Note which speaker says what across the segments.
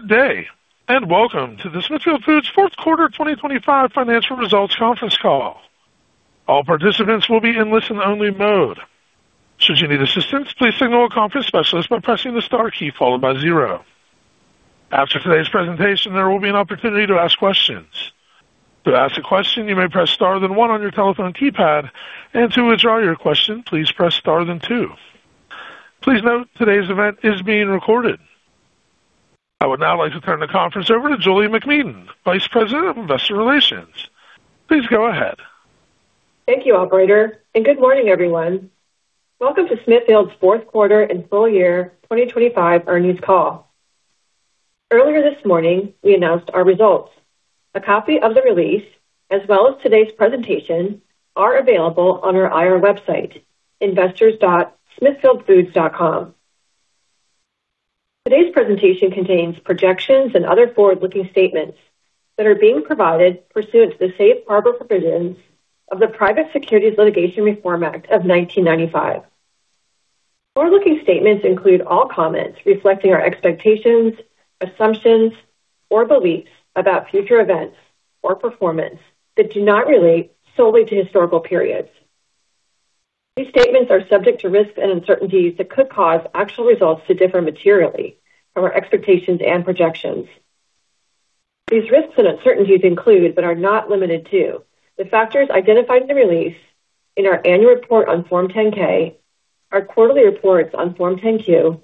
Speaker 1: Good day, and welcome to the Smithfield Foods Fourth Quarter 2025 Financial Results Conference Call. All participants will be in listen-only mode. Should you need assistance, please signal a conference specialist by pressing the star key followed by zero. After today's presentation, there will be an opportunity to ask questions. To ask a question, you may press star then one on your telephone keypad, and to withdraw your question, please press star then two. Please note today's event is being recorded. I would now like to turn the conference over to Julie MacMedan, Vice President of Investor Relations. Please go ahead.
Speaker 2: Thank you, operator, and good morning, everyone. Welcome to Smithfield's fourth quarter and full year 2025 earnings call. Earlier this morning, we announced our results. A copy of the release, as well as today's presentation, are available on our IR website, investors.smithfieldfoods.com. Today's presentation contains projections and other forward-looking statements that are being provided pursuant to the safe harbor provisions of the Private Securities Litigation Reform Act of 1995. Forward-looking statements include all comments reflecting our expectations, assumptions, or beliefs about future events or performance that do not relate solely to historical periods. These statements are subject to risks and uncertainties that could cause actual results to differ materially from our expectations and projections. These risks and uncertainties include, but are not limited to, the factors identified in the release in our annual report on Form 10-K, our quarterly reports on Form 10-Q,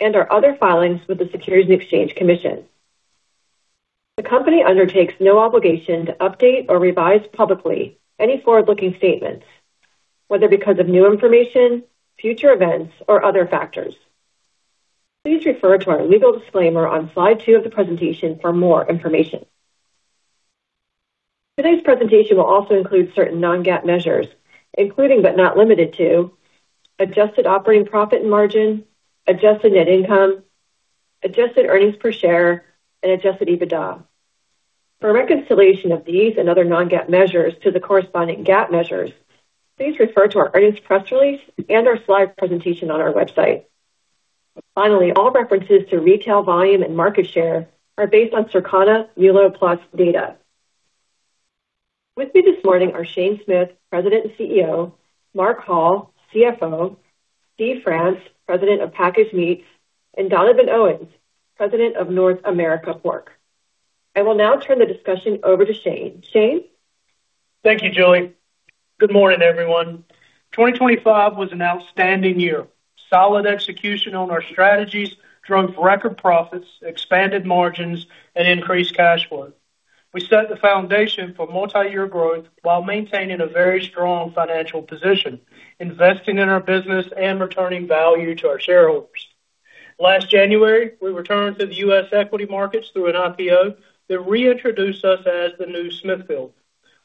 Speaker 2: and our other filings with the Securities and Exchange Commission. The company undertakes no obligation to update or revise publicly any forward-looking statements, whether because of new information, future events, or other factors. Please refer to our legal disclaimer on Slide two of the presentation for more information. Today's presentation will also include certain Non-GAAP measures, including but not limited to adjusted operating profit and margin, adjusted net income, adjusted earnings per share, and adjusted EBITDA For a reconciliation of these and other Non-GAAP measures to the corresponding GAAP measures, please refer to our earnings press release and our slide presentation on our website. Finally, all references to retail volume and market share are based on [Circana Reload+ Data]. With me this morning are Shane Smith, President and CEO, Mark Hall, CFO, Steve France, President of Packaged Meats, and Donovan Owens, President of North America Pork. I will now turn the discussion over to Shane. Shane.
Speaker 3: Thank you, Julie. Good morning, everyone. 2025 was an outstanding year. Solid execution on our strategies drove record profits, expanded margins, and increased cash flow. We set the foundation for multiyear growth while maintaining a very strong financial position, investing in our business and returning value to our shareholders. Last January, we returned to the U.S. equity markets through an IPO that reintroduced us as the new Smithfield.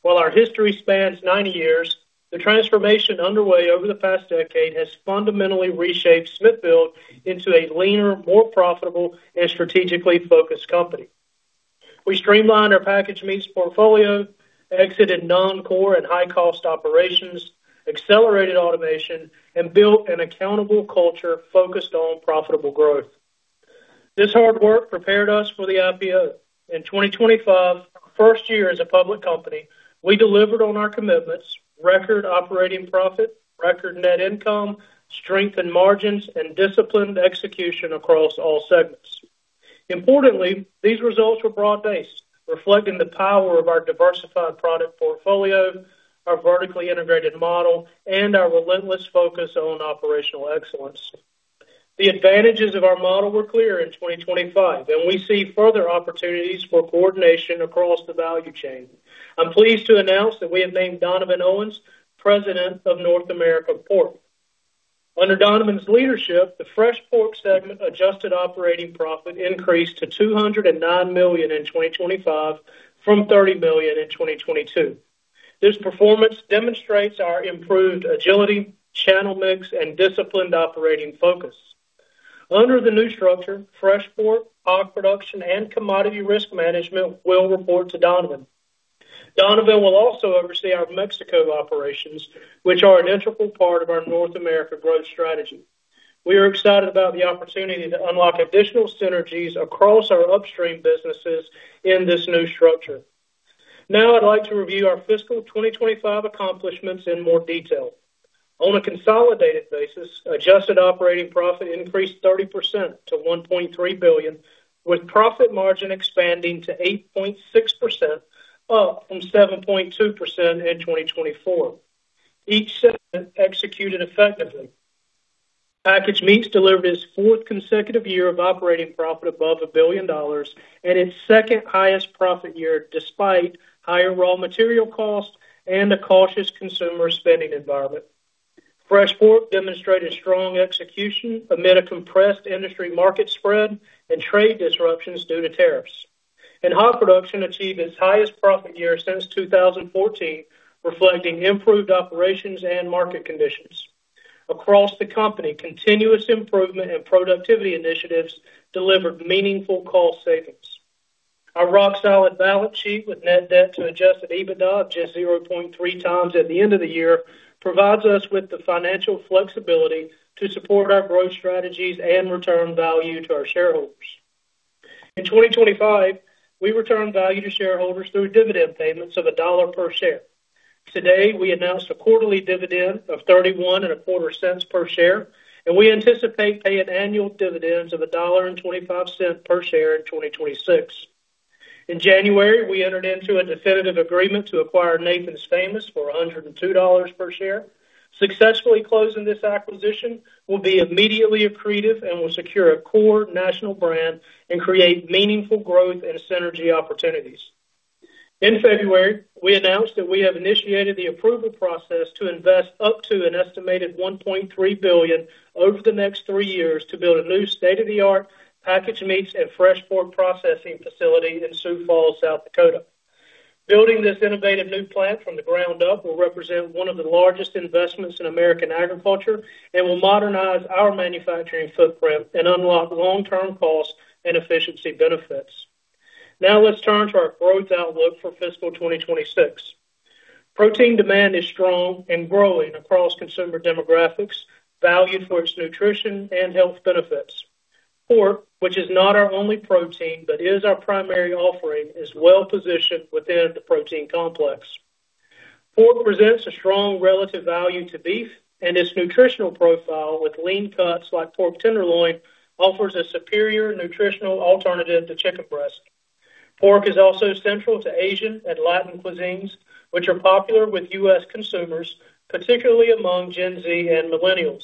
Speaker 3: While our history spans 90 years, the transformation underway over the past decade has fundamentally reshaped Smithfield into a leaner, more profitable and strategically focused company. We streamlined our packaged meats portfolio, exited non-core and high-cost operations, accelerated automation, and built an accountable culture focused on profitable growth. This hard work prepared us for the IPO. In 2025, our first year as a public company, we delivered on our commitments, record operating profit, record net income, strengthened margins, and disciplined execution across all segments. Importantly, these results were broad-based, reflecting the power of our diversified product portfolio, our vertically integrated model, and our relentless focus on operational excellence. The advantages of our model were clear in 2025, and we see further opportunities for coordination across the value chain. I'm pleased to announce that we have named Donovan Owens President of North America Pork. Under Donovan's leadership, the fresh pork segment adjusted operating profit increased to $209 million in 2025 from $30 million in 2022. This performance demonstrates our improved agility, channel mix, and disciplined operating focus. Under the new structure, fresh pork, hog production, and commodity risk management will report to Donovan. Donovan will also oversee our Mexico operations, which are an integral part of our North America growth strategy. We are excited about the opportunity to unlock additional synergies across our upstream businesses in this new structure. Now I'd like to review our fiscal 2025 accomplishments in more detail. On a consolidated basis, adjusted operating profit increased 30% to $1.3 billion, with profit margin expanding to 8.6%, up from 7.2% in 2024. Each segment executed effectively. Packaged meats delivered its fourth consecutive year of operating profit above $1 billion and its second highest profit year, despite higher raw material costs and a cautious consumer spending environment. Fresh pork demonstrated strong execution amid a compressed industry market spread and trade disruptions due to tariffs. Hog production achieved its highest profit year since 2014, reflecting improved operations and market conditions. Across the company, continuous improvement in productivity initiatives delivered meaningful cost savings. Our rock-solid balance sheet with Net Debt to Adjusted EBITDA of just 0.3x at the end of the year provides us with the financial flexibility to support our growth strategies and return value to our shareholders. In 2025, we returned value to shareholders through dividend payments to the $1 per share. Today, we announced a quarterly dividend of $0.3125 Per share, and we anticipate paying annual dividends of $1.25 per share in 2026. In January, we entered into a definitive agreement to acquire Nathan's Famous for $102 per share. Successfully closing this acquisition will be immediately accretive and will secure a core national brand and create meaningful growth and synergy opportunities. In February, we announced that we have initiated the approval process to invest up to an estimated $1.3 billion over the next three years to build a new state-of-the-art packaged meats and fresh pork processing facility in Sioux Falls, South Dakota. Building this innovative new plant from the ground up will represent one of the largest investments in American agriculture and will modernize our manufacturing footprint and unlock long-term cost and efficiency benefits. Now let's turn to our growth outlook for fiscal 2026. Protein demand is strong and growing across consumer demographics, valued for its nutrition and health benefits. Pork, which is not our only protein but is our primary offering, is well-positioned within the protein complex. Pork presents a strong relative value to beef, and its nutritional profile with lean cuts like pork tenderloin offers a superior nutritional alternative to chicken breast. Pork is also central to Asian and Latin cuisines, which are popular with U.S. consumers, particularly among Gen Z and millennials.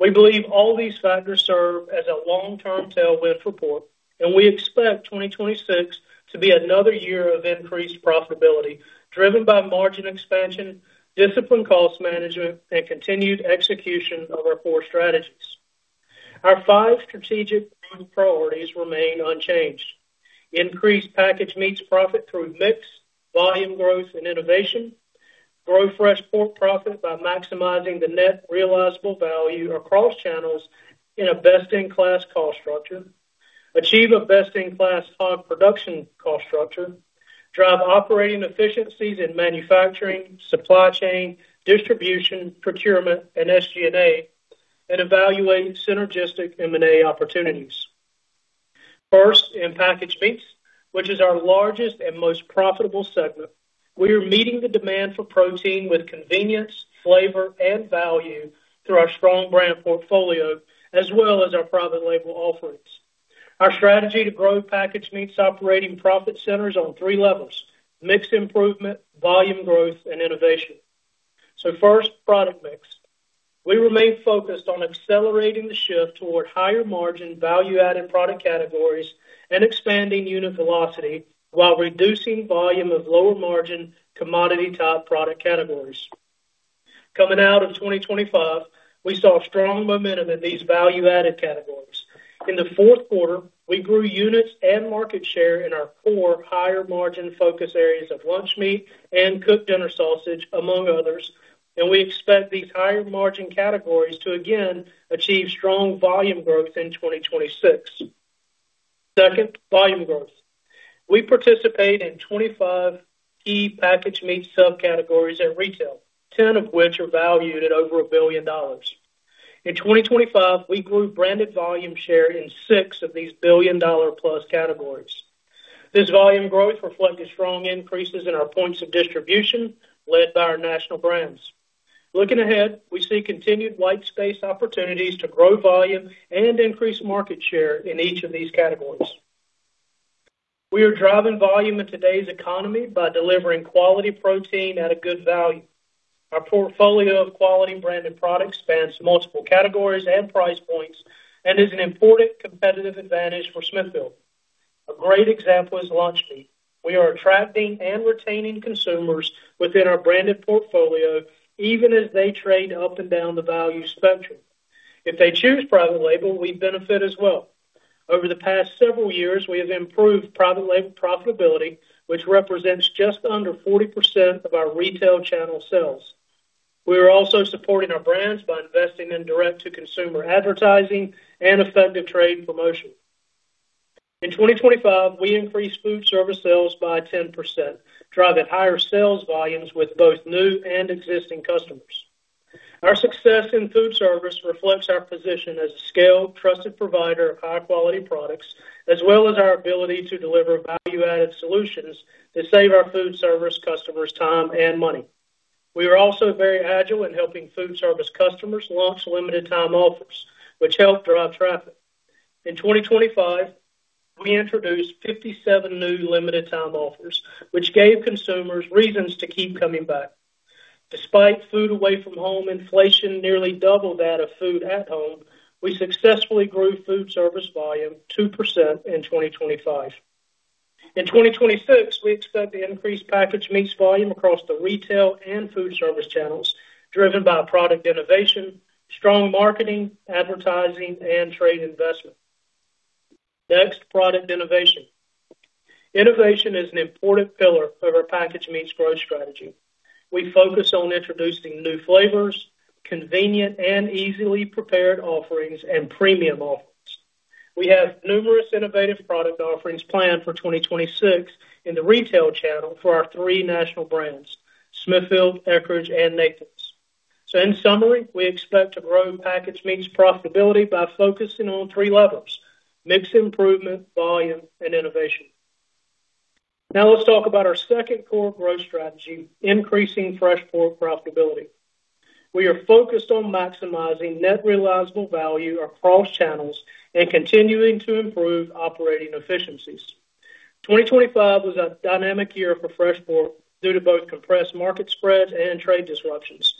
Speaker 3: We believe all these factors serve as a long-term tailwind for pork, and we expect 2026 to be another year of increased profitability, driven by margin expansion, disciplined cost management, and continued execution of our core strategies. Our five strategic priorities remain unchanged. Increased packaged meats profit through mix, volume growth and innovation. Grow fresh pork profit by maximizing the net realizable value across channels in a best-in-class cost structure. Achieve a best-in-class hog production cost structure. Drive operating efficiencies in manufacturing, supply chain, distribution, procurement, and SG&A, and evaluate synergistic M&A opportunities. First, in Packaged Meats, which is our largest and most profitable segment, we are meeting the demand for protein with convenience, flavor, and value through our strong brand portfolio as well as our private label offerings. Our strategy to grow Packaged Meats operating profit centers on three levels, mix improvement, volume growth, and innovation. First, product mix. We remain focused on accelerating the shift toward higher-margin, value-added product categories and expanding unit velocity while reducing volume of lower-margin, commodity-type product categories. Coming out of 2025, we saw strong momentum in these value-added categories. In the fourth quarter, we grew units and market share in our core higher-margin focus areas of lunch meat and cooked dinner sausage, among others, and we expect these higher-margin categories to again achieve strong volume growth in 2026. Second, volume growth. We participate in 25 key packaged meat subcategories in retail, 10 of which are valued at over $1 billion. In 2025, we grew branded volume share in six of these $1 billion+ categories. This volume growth reflected strong increases in our points of distribution led by our national brands. Looking ahead, we see continued white space opportunities to grow volume and increase market share in each of these categories. We are driving volume in today's economy by delivering quality protein at a good value. Our portfolio of quality branded products spans multiple categories and price points and is an important competitive advantage for Smithfield. A great example is lunch meat. We are attracting and retaining consumers within our branded portfolio even as they trade up and down the value spectrum. If they choose private label, we benefit as well. Over the past several years, we have improved private label profitability, which represents just under 40% of our retail channel sales. We are also supporting our brands by investing in direct-to-consumer advertising and effective trade promotion. In 2025, we increased food service sales by 10%, driving higher sales volumes with both new and existing customers. Our success in food service reflects our position as a scaled, trusted provider of high-quality products, as well as our ability to deliver value-added solutions that save our food service customers time and money. We are also very agile in helping food service customers launch limited time offers, which help drive traffic. In 2025, we introduced 57 new limited time offers, which gave consumers reasons to keep coming back. Despite food away from home inflation nearly double that of food at home, we successfully grew food service volume 2% in 2025. In 2026, we expect to increase packaged meats volume across the retail and food service channels, driven by product innovation, strong marketing, advertising, and trade investment. Next, product innovation. Innovation is an important pillar of our packaged meats growth strategy. We focus on introducing new flavors, convenient and easily prepared offerings, and premium offerings. We have numerous innovative product offerings planned for 2026 in the retail channel for our three national brands, Smithfield, Eckrich, and Nathan's. In summary, we expect to grow packaged meats profitability by focusing on three levers, mix improvement, volume, and innovation. Now let's talk about our second core growth strategy, increasing fresh pork profitability. We are focused on maximizing net realizable value across channels and continuing to improve operating efficiencies. 2025 was a dynamic year for fresh pork due to both compressed market spreads and trade disruptions.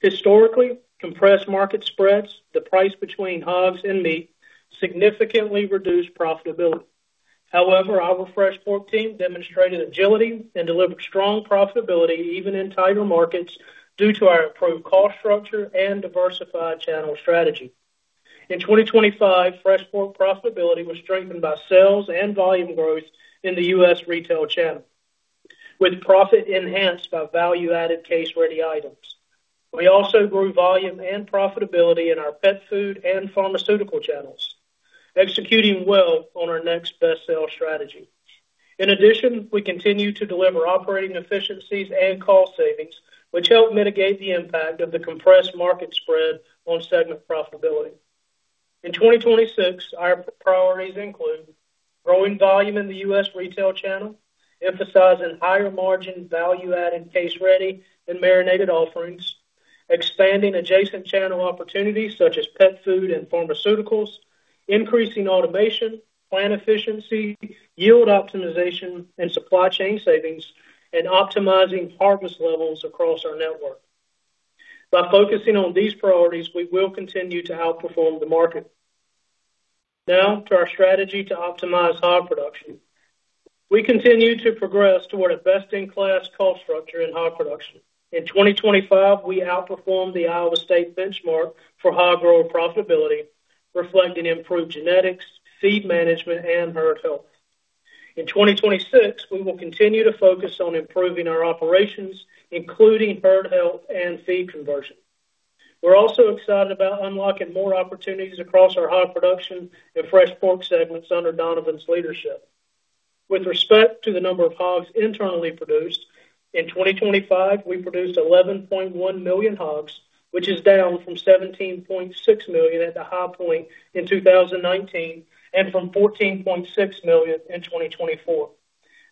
Speaker 3: Historically, compressed market spreads, the price between hogs and meat, significantly reduced profitability. However, our fresh pork team demonstrated agility and delivered strong profitability even in tighter markets due to our improved cost structure and diversified channel strategy. In 2025, fresh pork profitability was strengthened by sales and volume growth in the U.S. retail channel, with profit enhanced by value-added case-ready items. We also grew volume and profitability in our pet food and pharmaceutical channels, executing well on our next best sale strategy. In addition, we continue to deliver operating efficiencies and cost savings, which help mitigate the impact of the compressed market spread on segment profitability. In 2026, our priorities include growing volume in the U.S. retail channel, emphasizing higher-margin, value-added, case-ready, and marinated offerings, expanding adjacent channel opportunities such as pet food and pharmaceuticals, increasing automation, plant efficiency, yield optimization, and supply chain savings, and optimizing harvest levels across our network. By focusing on these priorities, we will continue to outperform the market. Now to our strategy to optimize hog production. We continue to progress toward a best-in-class cost structure in hog production. In 2025, we outperformed the Iowa State benchmark for hog grower profitability, reflecting improved genetics, feed management, and herd health. In 2026, we will continue to focus on improving our operations, including herd health and feed conversion. We're also excited about unlocking more opportunities across our hog production and fresh pork segments under Donovan's leadership. With respect to the number of hogs internally produced, in 2025, we produced 11.1 million hogs, which is down from 17.6 million at the high point in 2019 and from 14.6 million in 2024.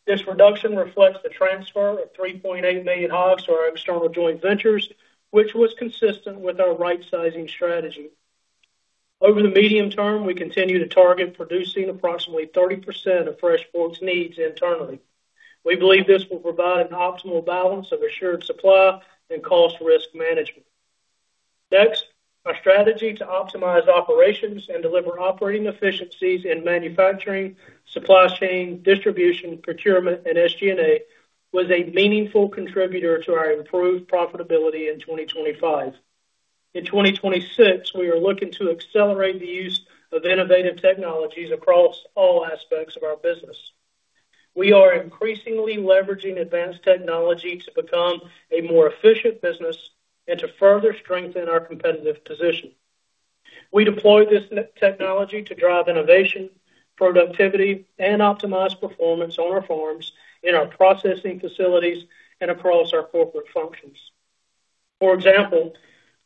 Speaker 3: This reduction reflects the transfer of 3.8 million hogs to our external joint ventures, which was consistent with our rightsizing strategy. Over the medium term, we continue to target producing approximately 30% of fresh pork's needs internally. We believe this will provide an optimal balance of assured supply and cost risk management. Next, our strategy to optimize operations and deliver operating efficiencies in manufacturing, supply chain, distribution, procurement, and SG&A was a meaningful contributor to our improved profitability in 2025. In 2026, we are looking to accelerate the use of innovative technologies across all aspects of our business. We are increasingly leveraging advanced technology to become a more efficient business and to further strengthen our competitive position. We deploy this technology to drive innovation, productivity, and optimize performance on our farms, in our processing facilities, and across our corporate functions. For example,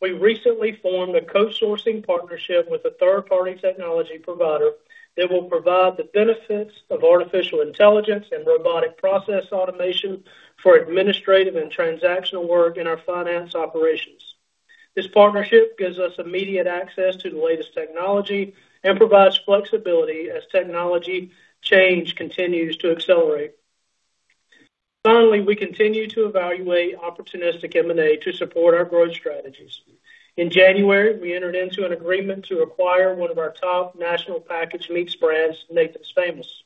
Speaker 3: we recently formed a co-sourcing partnership with a third-party technology provider that will provide the benefits of artificial intelligence and robotic process automation for administrative and transactional work in our finance operations. This partnership gives us immediate access to the latest technology and provides flexibility as technology change continues to accelerate. Finally, we continue to evaluate opportunistic M&A to support our growth strategies. In January, we entered into an agreement to acquire one of our top national packaged meats brands, Nathan's Famous.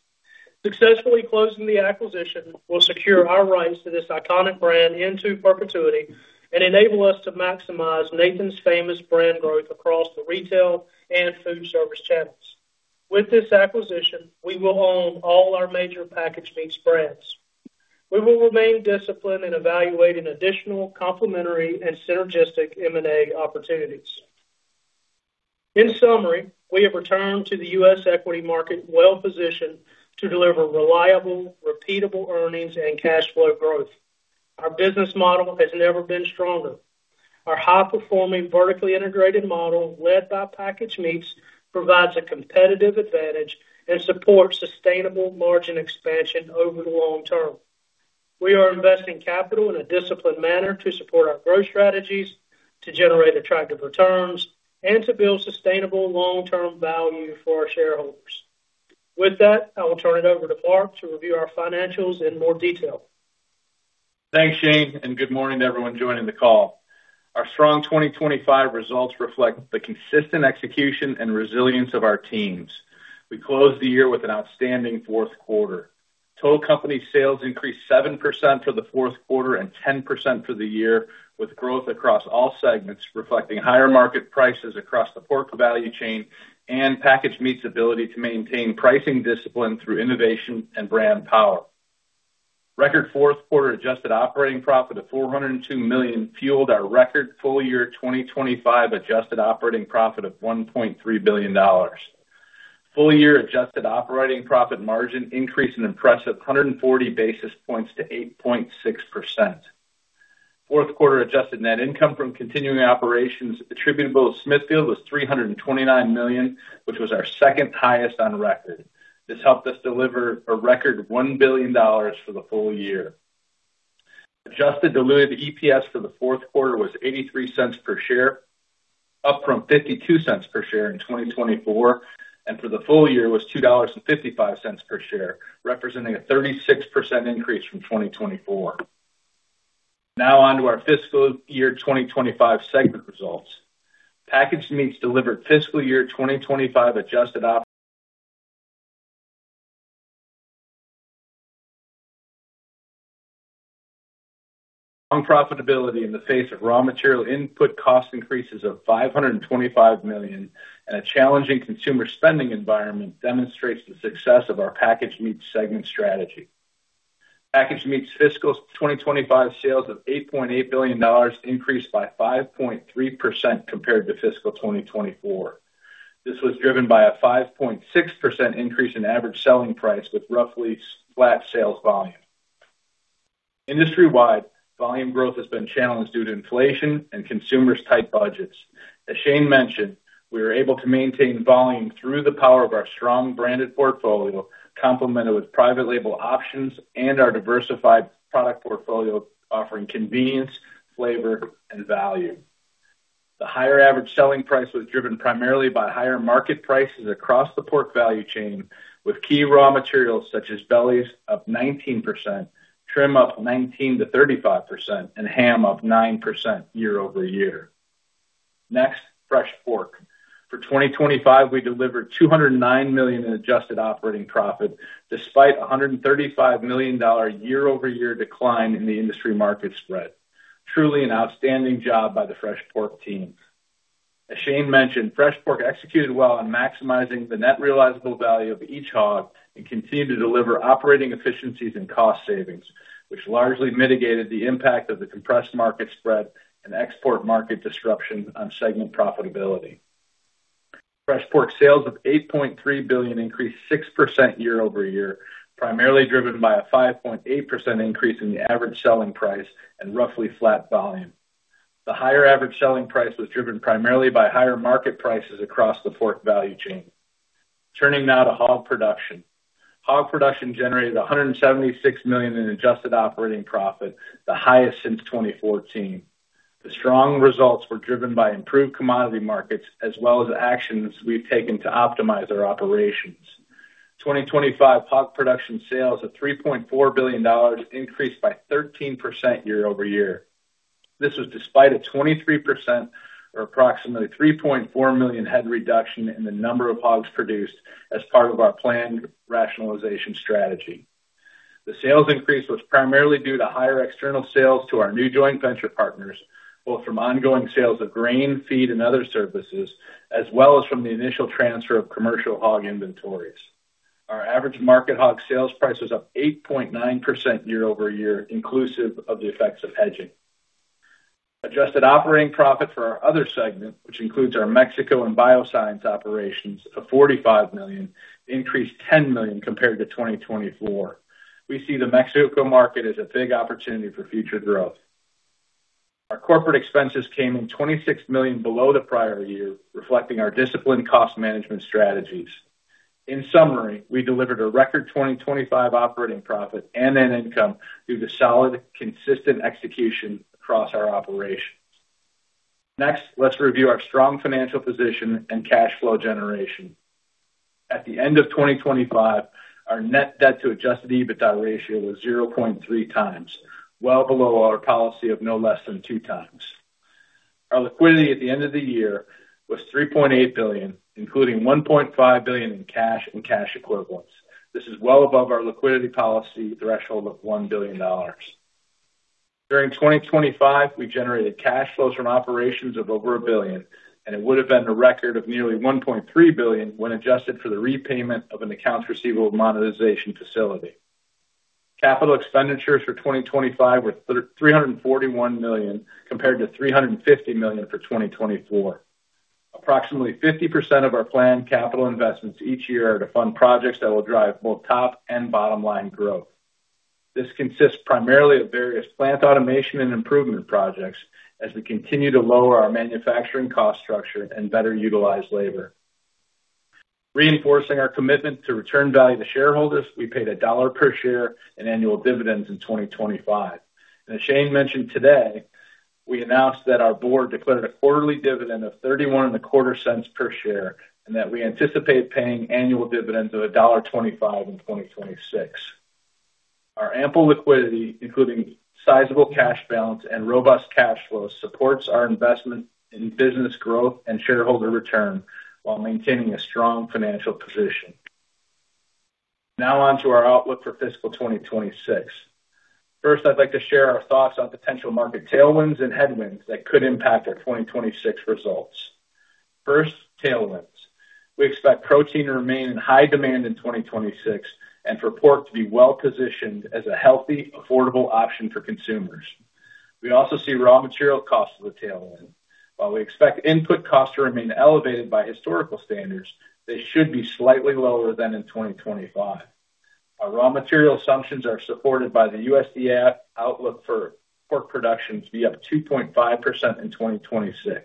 Speaker 3: Successfully closing the acquisition will secure our rights to this iconic brand into perpetuity and enable us to maximize Nathan's Famous brand growth across the retail and food service channels. With this acquisition, we will own all our major packaged meats brands. We will remain disciplined in evaluating additional complementary and synergistic M&A opportunities. In summary, we have returned to the U.S. equity market well-positioned to deliver reliable, repeatable earnings and cash flow growth. Our business model has never been stronger. Our high-performing, vertically integrated model led by packaged meats provides a competitive advantage and supports sustainable margin expansion over the long term. We are investing capital in a disciplined manner to support our growth strategies, to generate attractive returns, and to build sustainable long-term value for our shareholders. With that, I will turn it over to Mark to review our financials in more detail.
Speaker 4: Thanks, Shane, and good morning to everyone joining the call. Our strong 2025 results reflect the consistent execution and resilience of our teams. We closed the year with an outstanding fourth quarter. Total company sales increased 7% for the fourth quarter and 10% for the year, with growth across all segments reflecting higher market prices across the pork value chain and packaged meats ability to maintain pricing discipline through innovation and brand power. Record fourth quarter adjusted operating profit of $402 million fueled our record full year 2025 adjusted operating profit of $1.3 billion. Full year adjusted operating profit margin increased an impressive 140 basis points to 8.6%. Fourth quarter adjusted net income from continuing operations attributable to Smithfield was $329 million, which was our second highest on record. This helped us deliver a record $1 billion for the full year. Adjusted diluted EPS for the fourth quarter was $0.83 per share, up from $0.52 per share in 2024, and for the full year was $2.55 per share, representing a 36% increase from 2024. Now on to our fiscal year 2025 segment results. Packaged Meats delivered fiscal year 2025 adjusted operating profitability in the face of raw material input cost increases of $525 million and a challenging consumer spending environment demonstrates the success of our Packaged Meats segment strategy. Packaged Meats fiscal 2025 sales of $8.8 billion increased by 5.3% compared to fiscal 2024. This was driven by a 5.6% increase in average selling price with roughly flat sales volume. Industry-wide, volume growth has been challenged due to inflation and consumers' tight budgets. As Shane mentioned, we were able to maintain volume through the power of our strong branded portfolio, complemented with private label options and our diversified product portfolio offering convenience, flavor, and value. The higher average selling price was driven primarily by higher market prices across the pork value chain, with key raw materials such as bellies up 19%, trim up 19%-35%, and ham up 9% year-over-year. Next, Fresh Pork. For 2025, we delivered $209 million in adjusted operating profit, despite a $135 million year-over-year decline in the industry market spread. Truly an outstanding job by the Fresh Pork team. As Shane mentioned, Fresh Pork executed well on maximizing the net realizable value of each hog and continued to deliver operating efficiencies and cost savings, which largely mitigated the impact of the compressed market spread and export market disruption on segment profitability. Fresh Pork sales of $8.3 billion increased 6% year-over-year, primarily driven by a 5.8% increase in the average selling price and roughly flat volume. The higher average selling price was driven primarily by higher market prices across the pork value chain. Turning now to Hog Production. Hog Production generated $176 million in adjusted operating profit, the highest since 2014. The strong results were driven by improved commodity markets as well as actions we've taken to optimize our operations. 2025 Hog Production sales of $3.4 billion increased by 13% year-over-year. This was despite a 23% or approximately 3.4 million head reduction in the number of hogs produced as part of our planned rationalization strategy. The sales increase was primarily due to higher external sales to our new joint venture partners, both from ongoing sales of grain, feed, and other services, as well as from the initial transfer of commercial hog inventories. Our average market hog sales price was up 8.9% year-over-year, inclusive of the effects of hedging. Adjusted operating profit for our other segment, which includes our Mexico and bioscience operations of $45 million, increased $10 million compared to 2024. We see the Mexico market as a big opportunity for future growth. Our corporate expenses came in $26 million below the prior year, reflecting our disciplined cost management strategies. In summary, we delivered a record 2025 operating profit and net income through the solid, consistent execution across our operations. Next, let's review our strong financial position and cash flow generation. At the end of 2025, our net debt to Adjusted EBITDA ratio was 0.3x, well below our policy of no less than 2x. Our liquidity at the end of the year was $3.8 billion, including $1.5 billion in cash and cash equivalents. This is well above our liquidity policy threshold of $1 billion. During 2025, we generated cash flows from operations of over $1 billion, and it would've been a record of nearly $1.3 billion when adjusted for the repayment of an accounts receivable monetization facility. Capital expenditures for 2025 were $341 million, compared to $350 million for 2024. Approximately 50% of our planned capital investments each year are to fund projects that will drive both top and bottom-line growth. This consists primarily of various plant automation and improvement projects as we continue to lower our manufacturing cost structure and better utilize labor. Reinforcing our commitment to return value to shareholders, we paid $1 per share in annual dividends in 2025. As Shane mentioned today, we announced that our board declared a quarterly dividend of $0.3125 per share, and that we anticipate paying annual dividends of $1.25 in 2026. Our ample liquidity, including sizable cash balance and robust cash flow, supports our investment in business growth and shareholder return while maintaining a strong financial position. Now on to our outlook for fiscal 2026. First, I'd like to share our thoughts on potential market tailwinds and headwinds that could impact our 2026 results. First, tailwinds. We expect protein to remain in high demand in 2026 and for pork to be well-positioned as a healthy, affordable option for consumers. We also see raw material costs as a tailwind. While we expect input costs to remain elevated by historical standards, they should be slightly lower than in 2025. Our raw material assumptions are supported by the USDA outlook for pork production to be up 2.5% in 2026.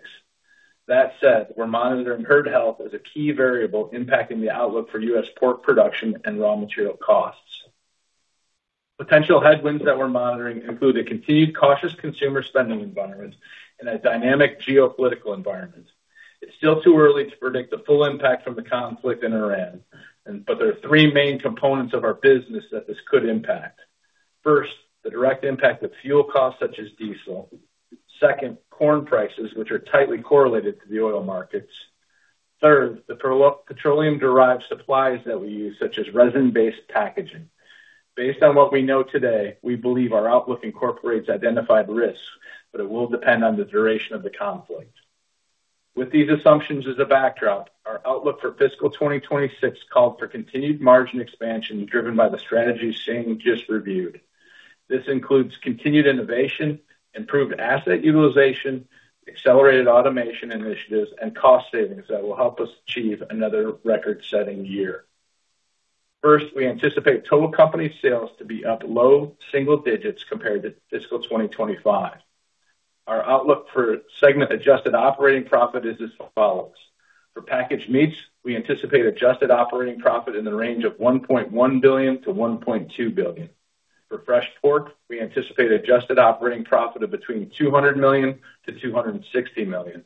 Speaker 4: That said, we're monitoring herd health as a key variable impacting the outlook for U.S. pork production and raw material costs. Potential headwinds that we're monitoring include a continued cautious consumer spending environment and a dynamic geopolitical environment. It's still too early to predict the full impact from the conflict in Iran, but there are three main components of our business that this could impact. First, the direct impact of fuel costs such as diesel. Second, corn prices, which are tightly correlated to the oil markets. Third, the petroleum-derived supplies that we use, such as resin-based packaging. Based on what we know today, we believe our outlook incorporates identified risks, but it will depend on the duration of the conflict. With these assumptions as a backdrop, our outlook for fiscal 2026 called for continued margin expansion driven by the strategies Shane just reviewed. This includes continued innovation, improved asset utilization, accelerated automation initiatives, and cost savings that will help us achieve another record-setting year. First, we anticipate total company sales to be up low single digits compared to fiscal 2025. Our outlook for segment adjusted operating profit is as follows: For packaged meats, we anticipate adjusted operating profit in the range of $1.1 billion-$1.2 billion. For fresh pork, we anticipate adjusted operating profit of between $200 million-$260 million.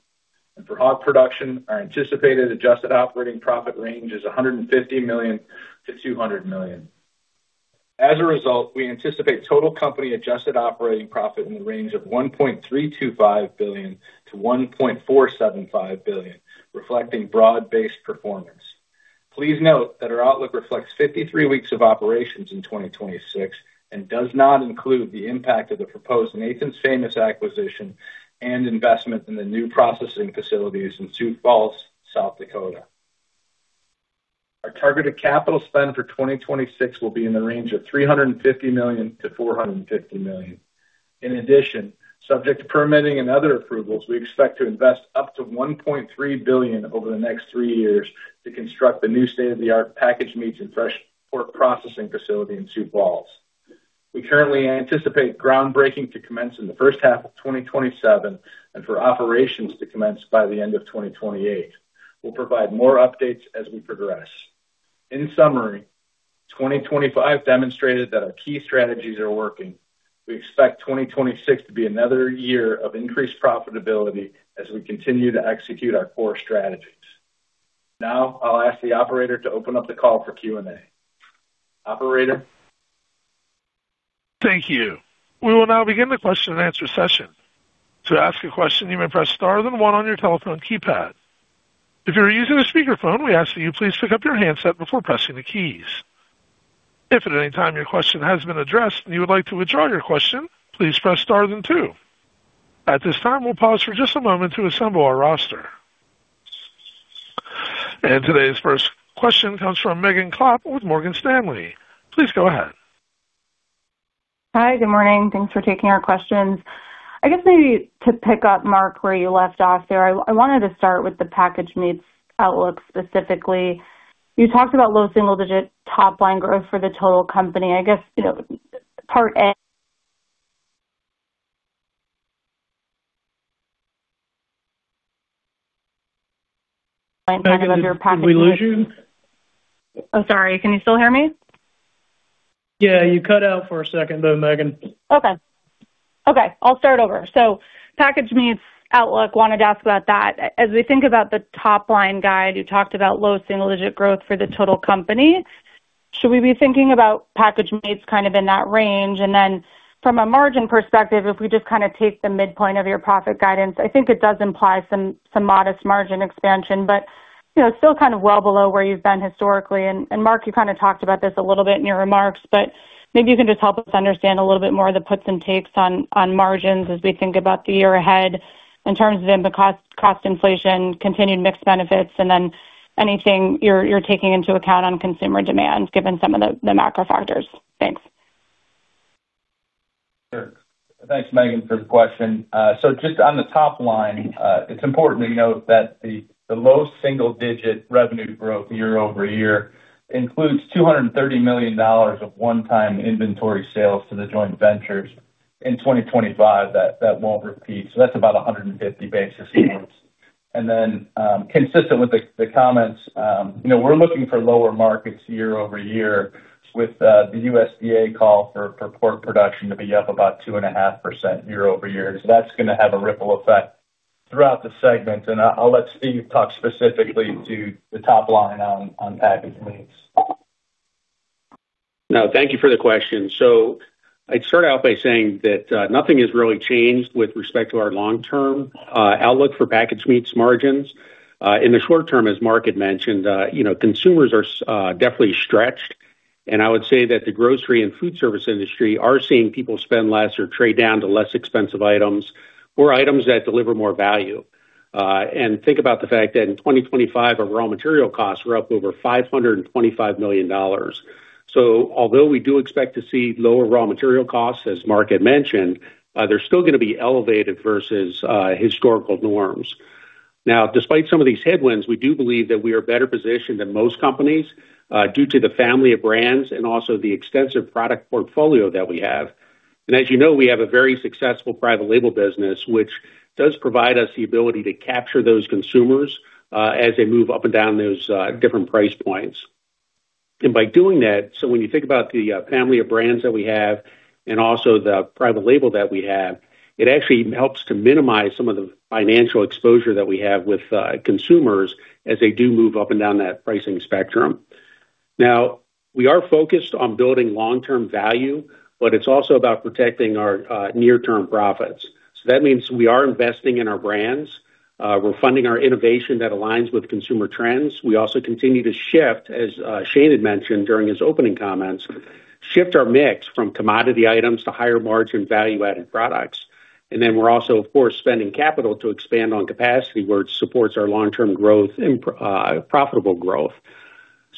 Speaker 4: For hog production, our anticipated adjusted operating profit range is $150 million-$200 million. As a result, we anticipate total company adjusted operating profit in the range of $1.325 billion-$1.475 billion, reflecting broad-based performance. Please note that our outlook reflects 53 weeks of operations in 2026 and does not include the impact of the proposed Nathan's Famous acquisition and investment in the new processing facilities in Sioux Falls, South Dakota. Our targeted capital spend for 2026 will be in the range of $350 million-$450 million. In addition, subject to permitting and other approvals, we expect to invest up to $1.3 billion over the next three years to construct the new state-of-the-art packaged meats and fresh pork processing facility in Sioux Falls. We currently anticipate groundbreaking to commence in the first half of 2027 and for operations to commence by the end of 2028. We'll provide more updates as we progress. In summary, 2025 demonstrated that our key strategies are working. We expect 2026 to be another year of increased profitability as we continue to execute our core strategies. Now, I'll ask the operator to open up the call for Q&A. Operator?
Speaker 1: Thank you. We will now begin the question-and-answer session. To ask a question, you may press star then one on your telephone keypad. If you are using a speakerphone, we ask that you please pick up your handset before pressing the keys. If at any time your question has been addressed and you would like to withdraw your question, please press star then two. At this time, we'll pause for just a moment to assemble our roster. Today's first question comes from Megan Clapp with Morgan Stanley. Please go ahead.
Speaker 5: Hi. Good morning. Thanks for taking our questions. I guess maybe to pick up, Mark, where you left off there, I wanted to start with the packaged meats outlook specifically. You talked about low single digit top line growth for the total company. I guess, you know, part A-
Speaker 1: Megan, did we lose you?
Speaker 5: I'm sorry, can you still hear me?
Speaker 4: Yeah, you cut out for a second there, Megan.
Speaker 5: Packaged meats outlook. Wanted to ask about that. As we think about the top line guide, you talked about low single digit growth for the total company. Should we be thinking about packaged meats kind of in that range? From a margin perspective, if we just kinda take the midpoint of your profit guidance, I think it does imply some modest margin expansion, but you know, still kind of well below where you've been historically. Mark, you kinda talked about this a little bit in your remarks, but maybe you can just help us understand a little bit more of the puts and takes on margins as we think about the year ahead in terms of input cost inflation, continued mixed benefits, and then anything you're taking into account on consumer demand given some of the macro factors. Thanks.
Speaker 4: Sure. Thanks, Megan, for the question. Just on the top line, it's important to note that the low single digit revenue growth year-over-year includes $230 million of one-time inventory sales to the joint ventures in 2025 that won't repeat. That's about 150 basis points. Consistent with the comments, you know, we're looking for lower markets year-over-year with the USDA call for pork production to be up about 2.5% year-over-year. That's gonna have a ripple effect throughout the segment. I'll let Steve talk specifically to the top line on packaged meats.
Speaker 6: No, thank you for the question. I'd start out by saying that, nothing has really changed with respect to our long-term, outlook for packaged meats margins. In the short term, as Mark had mentioned, you know, consumers are definitely stretched. I would say that the grocery and food service industry are seeing people spend less or trade down to less expensive items or items that deliver more value. Think about the fact that in 2025, our raw material costs were up over $525 million. Although we do expect to see lower raw material costs, as Mark had mentioned, they're still gonna be elevated versus, historical norms. Now, despite some of these headwinds, we do believe that we are better positioned than most companies, due to the family of brands and also the extensive product portfolio that we have. As you know, we have a very successful private label business, which does provide us the ability to capture those consumers, as they move up and down those, different price points. By doing that, when you think about the, family of brands that we have and also the private label that we have, it actually helps to minimize some of the financial exposure that we have with, consumers as they do move up and down that pricing spectrum. Now, we are focused on building long-term value, but it's also about protecting our, near-term profits. That means we are investing in our brands. We're funding our innovation that aligns with consumer trends. We also continue to shift, as Shane had mentioned during his opening comments, shift our mix from commodity items to higher margin value-added products. We're also, of course, spending capital to expand on capacity where it supports our long-term growth and profitable growth.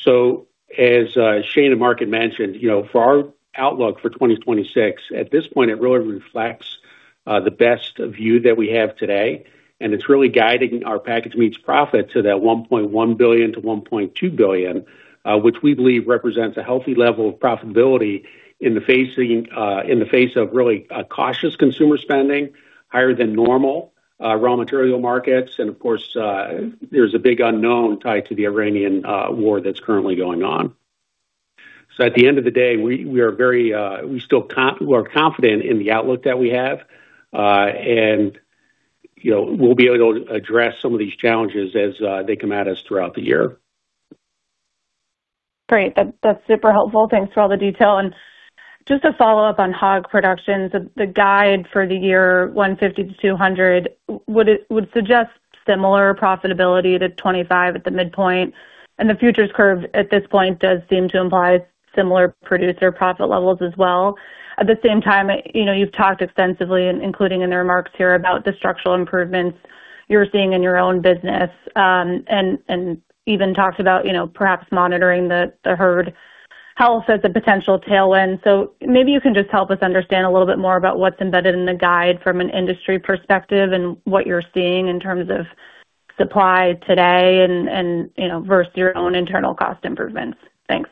Speaker 6: As Shane and Mark had mentioned, you know, for our outlook for 2026, at this point, it really reflects the best view that we have today, and it's really guiding our packaged meats profit to that $1.1 billion-$1.2 billion, which we believe represents a healthy level of profitability in the face of really cautious consumer spending, higher than normal raw material markets. Of course, there's a big unknown tied to the Iranian war that's currently going on. At the end of the day, we are very confident in the outlook that we have, and you know, we'll be able to address some of these challenges as they come at us throughout the year.
Speaker 5: Great. That's super helpful. Thanks for all the detail. Just a follow-up on hog production. The guide for the year $150 million-$200 million would suggest similar profitability to 2025 at the midpoint, and the futures curve at this point does seem to imply similar producer profit levels as well. At the same time, you know, you've talked extensively, including in the remarks here, about the structural improvements you're seeing in your own business, and even talked about, you know, perhaps monitoring the herd health as a potential tailwind. Maybe you can just help us understand a little bit more about what's embedded in the guide from an industry perspective and what you're seeing in terms of supply today and, you know, versus your own internal cost improvements. Thanks.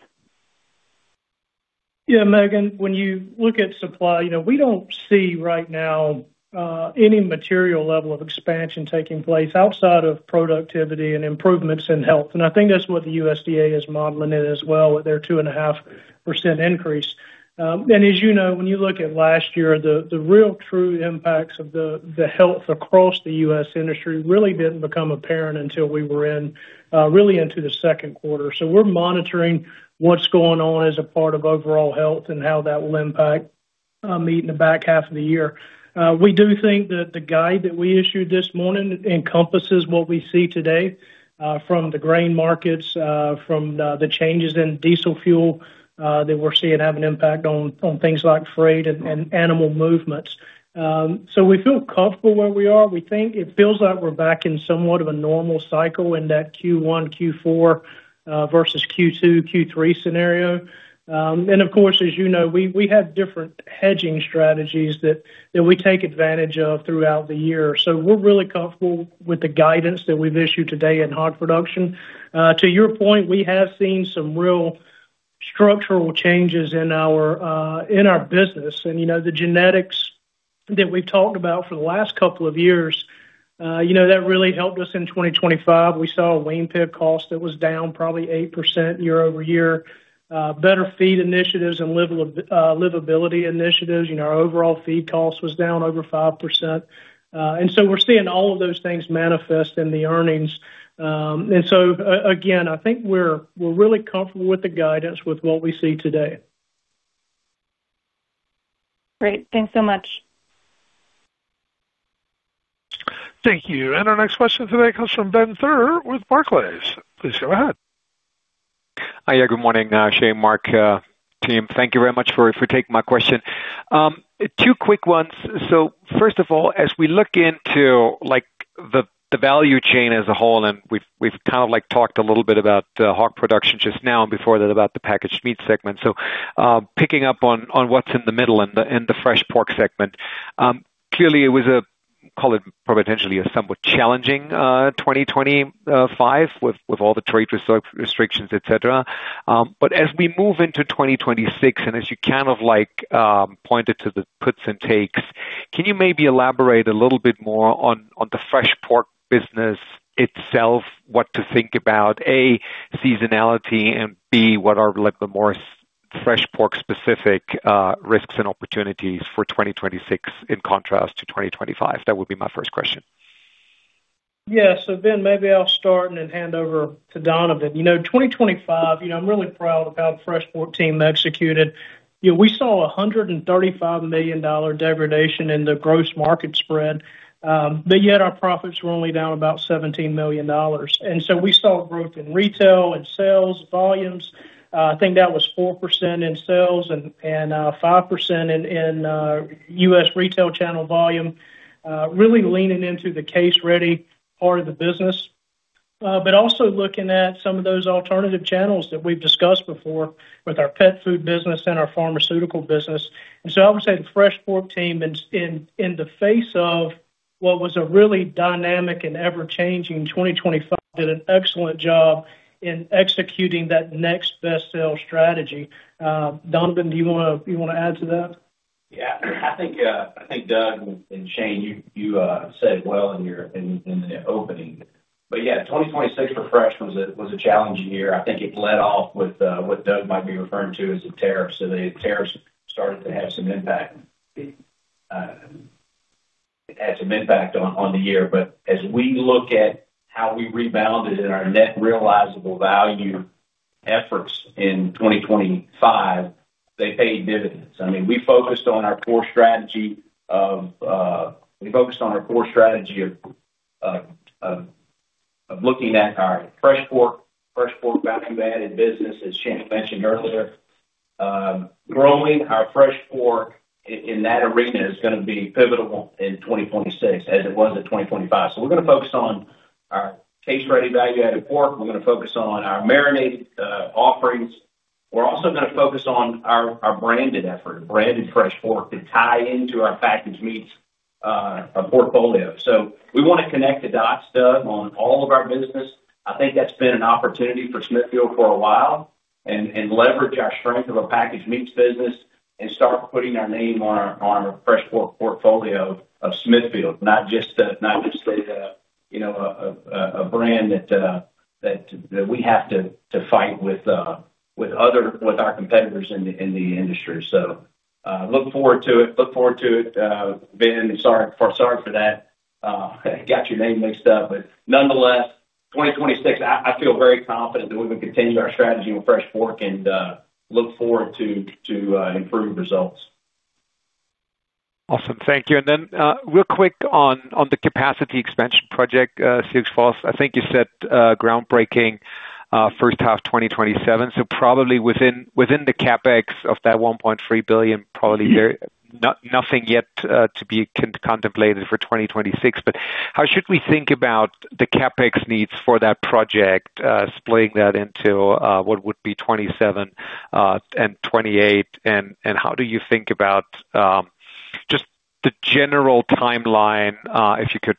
Speaker 3: Yeah. Megan, when you look at supply, you know, we don't see right now any material level of expansion taking place outside of productivity and improvements in health, and I think that's what the USDA is modeling it as well with their 2.5% increase. As you know, when you look at last year, the real true impacts of the health across the U.S. industry really didn't become apparent until we were really into the second quarter. We're monitoring what's going on as a part of overall health and how that will impact meat in the back half of the year. We do think that the guide that we issued this morning encompasses what we see today from the grain markets, from the changes in diesel fuel that we're seeing have an impact on things like freight and animal movements. We feel comfortable where we are. We think it feels like we're back in somewhat of a normal cycle in that Q1, Q4 versus Q2, Q3 scenario. Of course, as you know, we have different hedging strategies that we take advantage of throughout the year. We're really comfortable with the guidance that we've issued today in hog production. To your point, we have seen some real structural changes in our business. You know, the genetics that we've talked about for the last couple of years, you know, that really helped us in 2025. We saw a lean pig cost that was down probably 8% year-over-year, better feed initiatives and livability initiatives. You know, our overall feed cost was down over 5%. We're seeing all of those things manifest in the earnings. Again, I think we're really comfortable with the guidance with what we see today.
Speaker 5: Great. Thanks so much.
Speaker 1: Thank you. Our next question today comes from Ben Theurer with Barclays. Please go ahead.
Speaker 7: Hi. Yeah, good morning, Shane, Mark, team. Thank you very much for taking my question. Two quick ones. First of all, as we look into, like, the value chain as a whole, and we've kind of like talked a little bit about the hog production just now and before that about the packaged meat segment. Picking up on what's in the middle and the fresh pork segment. Clearly it was, call it potentially a somewhat challenging 2025 with all the trade restrictions, et cetera. As we move into 2026, and as you kind of like pointed to the puts and takes, can you maybe elaborate a little bit more on the fresh pork business itself? What to think about, A, seasonality, and B, what are like the more fresh pork specific risks and opportunities for 2026 in contrast to 2025? That would be my first question.
Speaker 3: Yeah. Ben, maybe I'll start and then hand over to Donovan. You know, 2025, you know, I'm really proud of how the fresh pork team executed. You know, we saw a $135 million degradation in the gross market spread, but yet our profits were only down about $17 million. We saw growth in retail and sales volumes. I think that was 4% in sales and 5% in U.S. retail channel volume, really leaning into the case-ready part of the business. But also looking at some of those alternative channels that we've discussed before with our pet food business and our pharmaceutical business. I would say the fresh pork team in the face of what was a really dynamic and ever-changing 2025 did an excellent job in executing that next best sales strategy. Donovan, do you wanna add to that?
Speaker 8: Yeah. I think, Doug and Shane, you said it well in your opening. Yeah, 2026 for fresh was a challenging year. I think it led off with what Doug might be referring to as the tariffs. The tariffs started to have some impact on the year. As we look at how we rebounded in our net realizable value efforts in 2025, they paid dividends. I mean, we focused on our core strategy of looking at our fresh pork value-added business, as Shane mentioned earlier. Growing our fresh pork in that arena is gonna be pivotal in 2026 as it was in 2025. We're gonna focus on our case-ready value-added pork. We're gonna focus on our marinated offerings. We're also gonna focus on our branded effort, branded fresh pork to tie into our packaged meats portfolio. We wanna connect the dots, Doug, on all of our business. I think that's been an opportunity for Smithfield for a while, and leverage our strength of a packaged meats business and start putting our name on our fresh pork portfolio of Smithfield, not just a you know, a brand that that we have to to fight with with our competitors in the industry. Look forward to it. Ben, sorry for that. Got your name mixed up. Nonetheless, 2026, I feel very confident that we will continue our strategy with fresh pork and look forward to improved results.
Speaker 7: Awesome. Thank you. Then, real quick on the capacity expansion project, Sioux Falls. I think you said groundbreaking, first half 2027. So probably within the CapEx of that $1.3 billion, probably Nothing yet to be contemplated for 2026. But how should we think about the CapEx needs for that project, splitting that into what would be 2027 and 2028? And how do you think about just the general timeline? If you could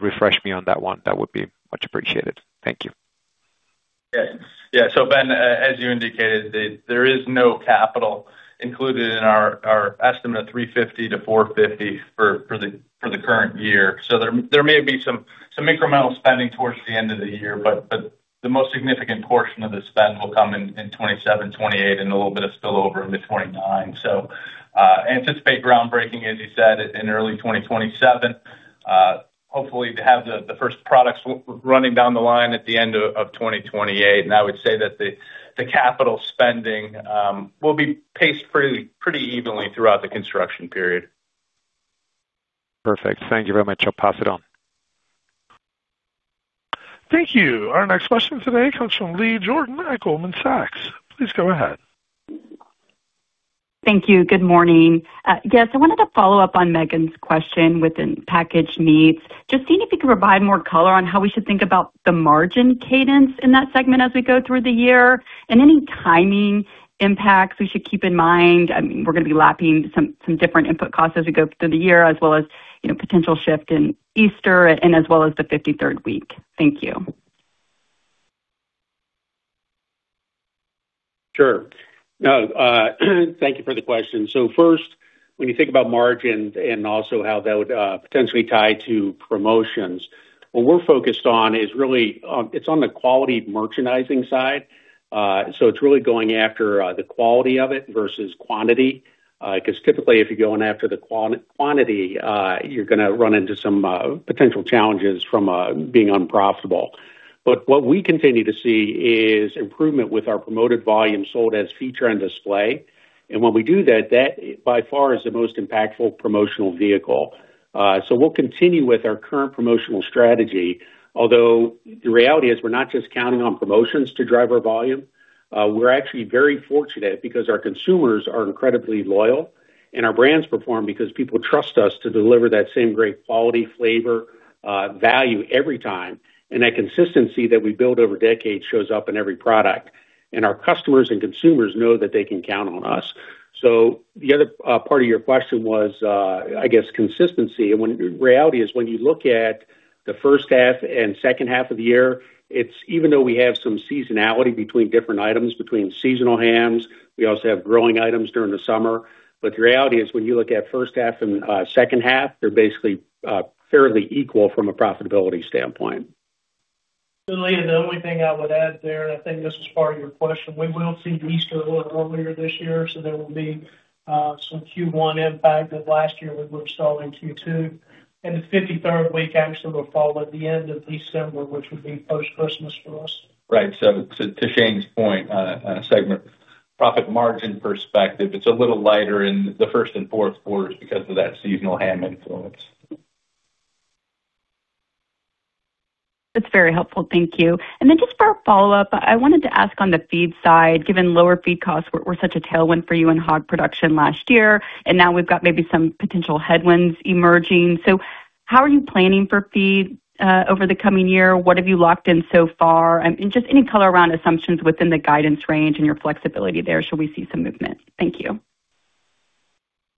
Speaker 7: refresh me on that one, that would be much appreciated. Thank you.
Speaker 4: Ben, as you indicated, there is no capital included in our estimate of $350 million-$450 million for the current year. There may be some incremental spending towards the end of the year, but the most significant portion of the spend will come in 2027, 2028 and a little bit of spillover into 2029. Anticipate groundbreaking, as you said, in early 2027. Hopefully to have the first products running down the line at the end of 2028. I would say that the capital spending will be paced pretty evenly throughout the construction period.
Speaker 7: Perfect. Thank you very much. I'll pass it on.
Speaker 1: Thank you. Our next question today comes from Leah Jordan at Goldman Sachs. Please go ahead.
Speaker 9: Thank you. Good morning. Yes, I wanted to follow up on Megan's question within packaged meats. Just seeing if you could provide more color on how we should think about the margin cadence in that segment as we go through the year and any timing impacts we should keep in mind. We're gonna be lapping some different input costs as we go through the year as well as, you know, potential shift in Easter and as well as the 53rd week. Thank you.
Speaker 6: Sure. No, thank you for the question. First, when you think about margin and also how that would potentially tie to promotions, what we're focused on is really, it's on the quality merchandising side. It's really going after the quality of it versus quantity. 'Cause typically if you're going after the quantity, you're gonna run into some potential challenges from being unprofitable. What we continue to see is improvement with our promoted volume sold as feature and display. When we do that by far is the most impactful promotional vehicle. We'll continue with our current promotional strategy, although the reality is we're not just counting on promotions to drive our volume. We're actually very fortunate because our consumers are incredibly loyal, and our brands perform because people trust us to deliver that same great quality, flavor, value every time. That consistency that we build over decades shows up in every product. Our customers and consumers know that they can count on us. The other part of your question was, I guess consistency. Reality is when you look at the first half and second half of the year, it's even though we have some seasonality between different items, between seasonal hams, we also have grilling items during the summer. The reality is when you look at first half and second half, they're basically fairly equal from a profitability standpoint.
Speaker 3: Leah, the only thing I would add there, and I think this is part of your question, we will see Easter a little earlier this year, so there will be some Q1 impact that last year we would've saw in Q2. The 53rd week actually will fall at the end of December, which would be post-Christmas for us.
Speaker 8: Right. To Shane's point on a segment profit margin perspective, it's a little lighter in the first and fourth quarters because of that seasonal ham influence.
Speaker 9: That's very helpful. Thank you. Just for a follow-up, I wanted to ask on the feed side, given lower feed costs were such a tailwind for you in hog production last year, and now we've got maybe some potential headwinds emerging. How are you planning for feed over the coming year? What have you locked in so far? Just any color around assumptions within the guidance range and your flexibility there should we see some movement. Thank you.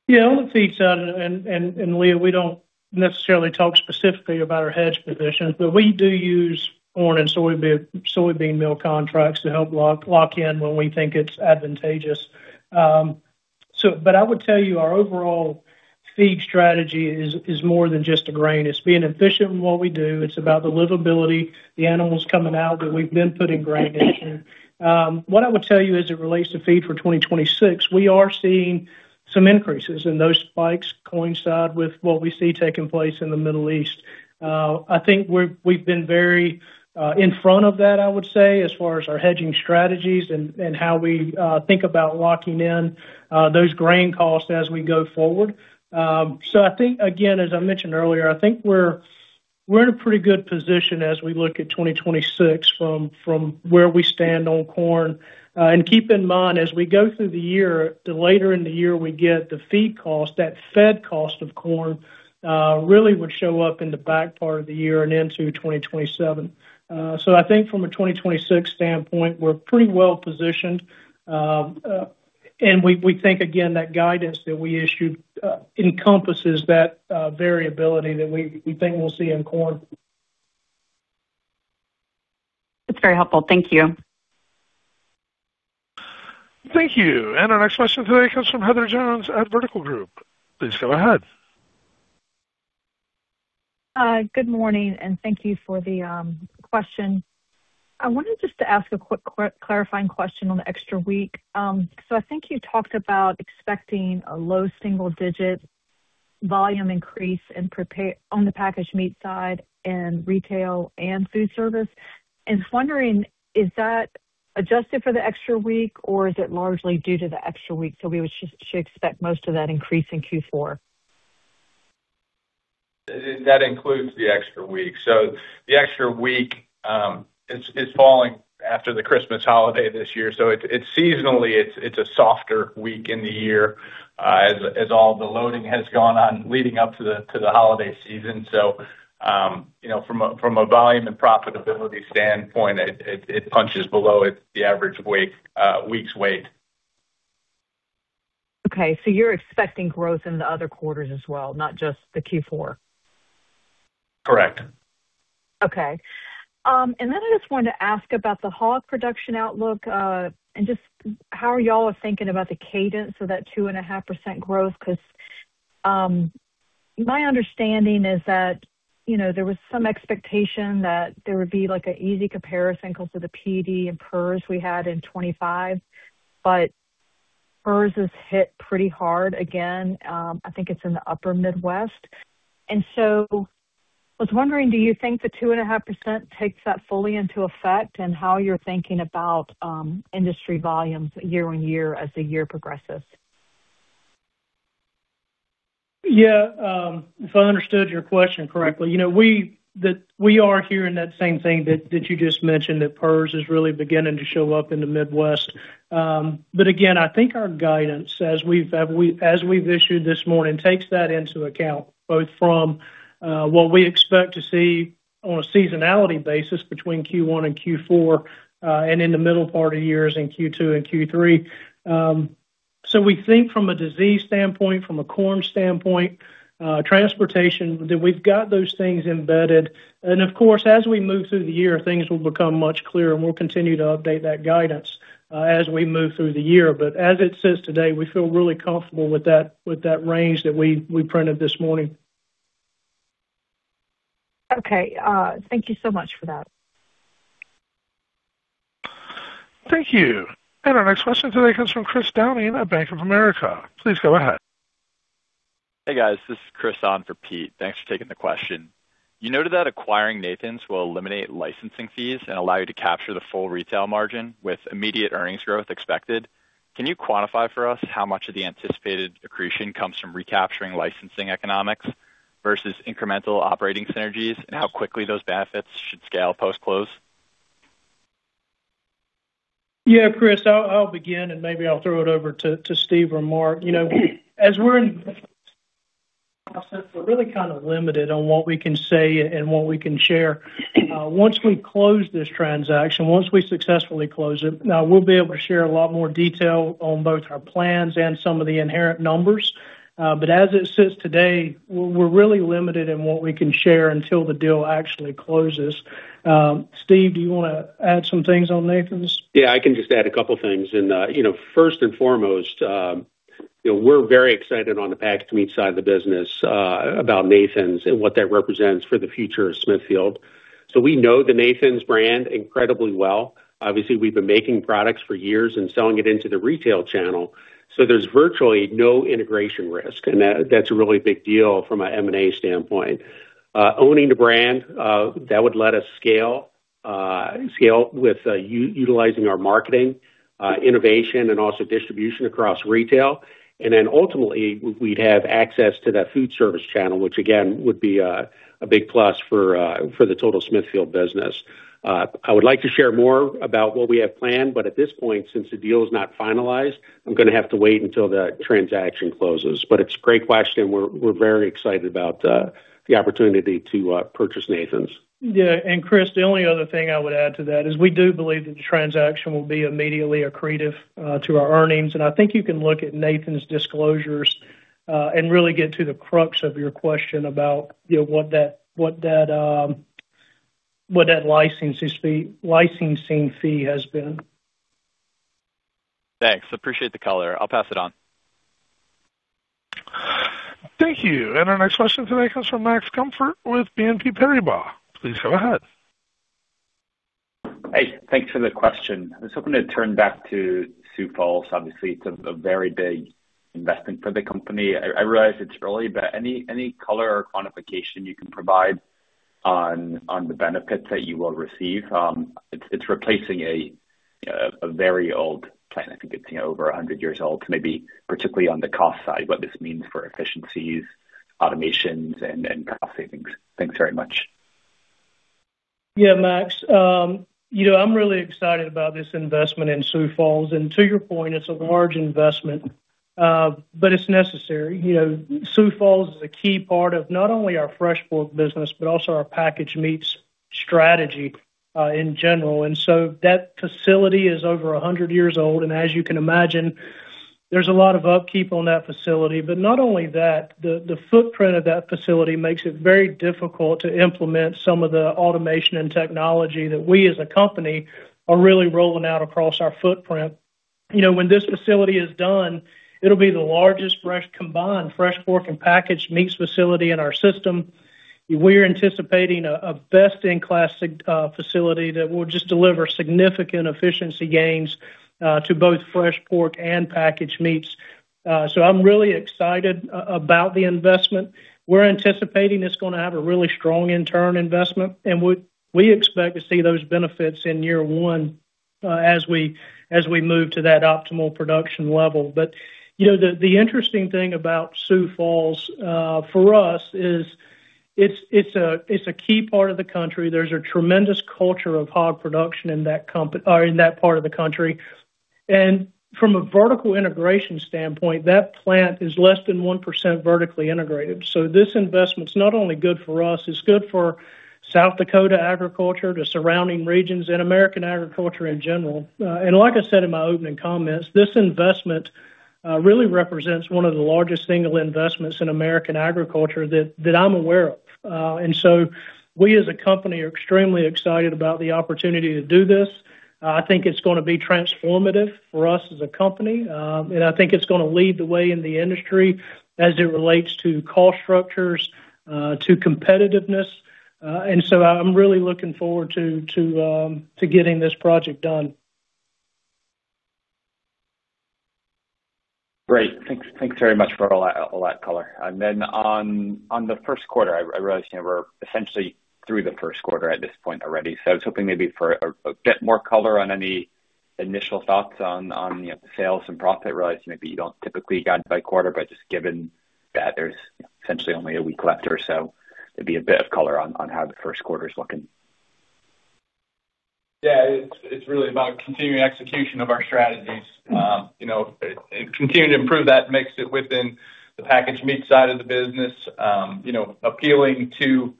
Speaker 3: Yeah, on the feed side and Leah, we don't necessarily talk specifically about our hedge positions, but we do use corn and soybean meal contracts to help lock in when we think it's advantageous. I would tell you our overall feed strategy is more than just a grain. It's being efficient in what we do. It's about the livability, the animals coming out that we've been putting grain into. What I would tell you as it relates to feed for 2026, we are seeing some increases, and those spikes coincide with what we see taking place in the Middle East. I think we've been very in front of that, I would say, as far as our hedging strategies and how we think about locking in those grain costs as we go forward. I think again, as I mentioned earlier, I think we're in a pretty good position as we look at 2026 from where we stand on corn. Keep in mind, as we go through the year, the later in the year we get, the feed cost, that feed cost of corn really would show up in the back part of the year and into 2027. I think from a 2026 standpoint, we're pretty well positioned. We think again that guidance that we issued encompasses that variability that we think we'll see in corn.
Speaker 9: That's very helpful. Thank you.
Speaker 1: Thank you. Our next question today comes from Heather Jones at Vertical Group. Please go ahead.
Speaker 10: Good morning, and thank you for the question. I wanted just to ask a quick clarifying question on the extra week. I think you talked about expecting a low single digit volume increase on the packaged meats side and retail and food service. Wondering, is that adjusted for the extra week or is it largely due to the extra week? We should expect most of that increase in Q4.
Speaker 6: That includes the extra week. The extra week is falling after the Christmas holiday this year. It's seasonally a softer week in the year, as all the loading has gone on leading up to the holiday season. You know, from a volume and profitability standpoint, it punches below its weight, the average week's weight.
Speaker 10: Okay, you're expecting growth in the other quarters as well, not just the Q4?
Speaker 6: Correct.
Speaker 10: Okay. I just wanted to ask about the hog production outlook and just how y'all are thinking about the cadence of that 2.5% growth because my understanding is that, you know, there was some expectation that there would be like an easy comparison because of the PEDv and PRRS we had in 2025, but PRRS is hit pretty hard again. I think it's in the upper Midwest. I was wondering, do you think the 2.5% takes that fully into effect and how you're thinking about industry volumes year-over-year as the year progresses?
Speaker 3: Yeah. If I understood your question correctly, you know, that we are hearing that same thing that you just mentioned, that PRRS is really beginning to show up in the Midwest. Again, I think our guidance as we've issued this morning takes that into account, both from what we expect to see on a seasonality basis between Q1 and Q4, and in the middle part of years in Q2 and Q3. We think from a disease standpoint, from a corn standpoint, transportation, that we've got those things embedded. Of course, as we move through the year, things will become much clearer, and we'll continue to update that guidance as we move through the year. As it sits today, we feel really comfortable with that range that we printed this morning.
Speaker 10: Okay. Thank you so much for that.
Speaker 1: Thank you. Our next question today comes from Chris Downey at Bank of America. Please go ahead.
Speaker 11: Hey, guys. This is Chris on for Pete. Thanks for taking the question. You noted that acquiring Nathan's will eliminate licensing fees and allow you to capture the full retail margin with immediate earnings growth expected. Can you quantify for us how much of the anticipated accretion comes from recapturing licensing economics versus incremental operating synergies and how quickly those benefits should scale post-close?
Speaker 3: Yeah, Chris, I'll begin, and maybe I'll throw it over to Steve or Mark. You know, as we're in process, we're really kind of limited on what we can say and what we can share. Once we close this transaction, once we successfully close it, now we'll be able to share a lot more detail on both our plans and some of the inherent numbers. As it sits today, we're really limited in what we can share until the deal actually closes. Steve, do you wanna add some things on Nathan's?
Speaker 6: Yeah, I can just add a couple things. You know, first and foremost, you know, we're very excited on the packaged meats side of the business about Nathan's and what that represents for the future of Smithfield. We know the Nathan's brand incredibly well. Obviously, we've been making products for years and selling it into the retail channel, so there's virtually no integration risk. That's a really big deal from a M&A standpoint. Owning the brand, that would let us scale Scale with utilizing our marketing, innovation and also distribution across retail. Ultimately we'd have access to that food service channel, which again would be a big plus for the total Smithfield business. I would like to share more about what we have planned, but at this point, since the deal is not finalized, I'm gonna have to wait until that transaction closes. It's a great question. We're very excited about the opportunity to purchase Nathan's.
Speaker 3: Yeah, Chris, the only other thing I would add to that is we do believe that the transaction will be immediately accretive to our earnings. I think you can look at Nathan's disclosures and really get to the crux of your question about, you know, what that licensing fee has been.
Speaker 11: Thanks. Appreciate the color. I'll pass it on.
Speaker 1: Thank you. Our next question today comes from Max Gumport with BNP Paribas. Please go ahead.
Speaker 12: Hey, thanks for the question. I was hoping to turn back to Sioux Falls. Obviously, it's a very big investment for the company. I realize it's early, but any color or quantification you can provide on the benefits that you will receive from it. It's replacing a very old plant. I think it's, you know, over a hundred years old. Maybe particularly on the cost side, what this means for efficiencies, automations, and cost savings. Thanks very much.
Speaker 3: Yeah, Max. You know, I'm really excited about this investment in Sioux Falls. To your point, it's a large investment, but it's necessary. You know, Sioux Falls is a key part of not only our fresh pork business, but also our packaged meats strategy, in general. That facility is over 100 years old, and as you can imagine, there's a lot of upkeep on that facility. Not only that, the footprint of that facility makes it very difficult to implement some of the automation and technology that we as a company are really rolling out across our footprint. You know, when this facility is done, it'll be the largest combined fresh pork and packaged meats facility in our system. We're anticipating a best-in-class facility that will just deliver significant efficiency gains to both fresh pork and packaged meats. I'm really excited about the investment. We're anticipating it's gonna have a really strong return on investment, and we expect to see those benefits in year one as we move to that optimal production level. You know, the interesting thing about Sioux Falls for us is it's a key part of the country. There's a tremendous culture of hog production in that part of the country. From a vertical integration standpoint, that plant is less than 1% vertically integrated. This investment's not only good for us, it's good for South Dakota agriculture, the surrounding regions, and American agriculture in general. Like I said in my opening comments, this investment really represents one of the largest single investments in American agriculture that I'm aware of. We as a company are extremely excited about the opportunity to do this. I think it's gonna be transformative for us as a company, and I think it's gonna lead the way in the industry as it relates to cost structures to competitiveness. I'm really looking forward to getting this project done.
Speaker 12: Great. Thanks very much for all that color. Then on the first quarter, I realize, you know, we're essentially through the first quarter at this point already. So I was hoping maybe for a bit more color on any initial thoughts on, you know, sales and profit. I realize maybe you don't typically guide by quarter, but just given that there's essentially only a week left or so, it'd be a bit of color on how the first quarter is looking.
Speaker 4: Yeah. It's really about continuing execution of our strategies. You know, continuing to improve that mix within the packaged meat side of the business, you know, appealing to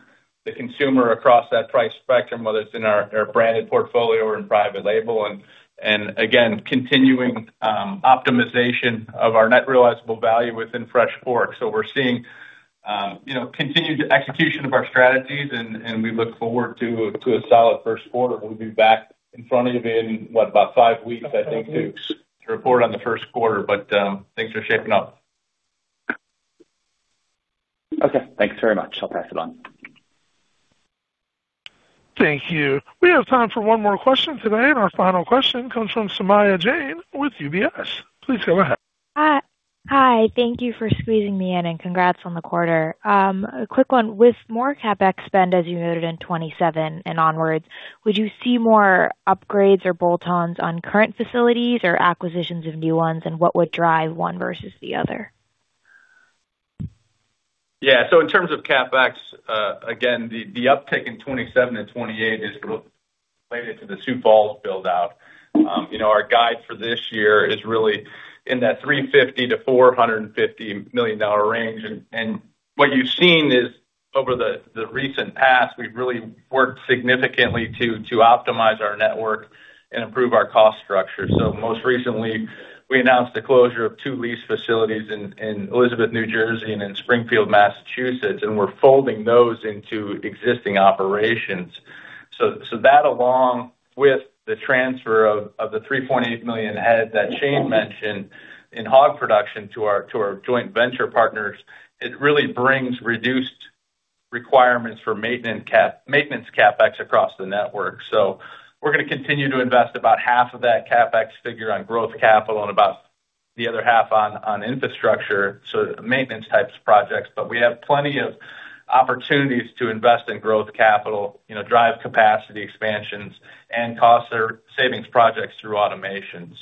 Speaker 4: the consumer across that price spectrum, whether it's in our branded portfolio or in private label. Again, continuing optimization of our net realizable value within fresh pork. We're seeing you know, continued execution of our strategies and we look forward to a solid first quarter. We'll be back in front of you in what, about five weeks, I think, to report on the first quarter, but things are shaping up.
Speaker 12: Okay. Thanks very much. I'll pass it on.
Speaker 1: Thank you. We have time for one more question today, and our final question comes from Saumya Jain with UBS. Please go ahead.
Speaker 13: Hi. Thank you for squeezing me in, and congrats on the quarter. A quick one. With more CapEx spend, as you noted in 2027 and onwards, would you see more upgrades or bolt-ons on current facilities or acquisitions of new ones, and what would drive one versus the other?
Speaker 4: Yeah. In terms of CapEx, again, the uptick in 2027-2028 is related to the Sioux Falls build-out. You know, our guide for this year is really in that $350 million-$450 million range. What you've seen is over the recent past, we've really worked significantly to optimize our network and improve our cost structure. Most recently, we announced the closure of two lease facilities in Elizabeth, New Jersey, and in Springfield, Massachusetts, and we're folding those into existing operations. That along with the transfer of 3.8 million heads that Shane mentioned in hog production to our joint venture partners, it really brings reduced requirements for maintenance CapEx across the network. We're gonna continue to invest about half of that CapEx figure on growth capital and about The other half on infrastructure, so maintenance types projects. We have plenty of opportunities to invest in growth capital, you know, drive capacity expansions and cost savings projects through automation.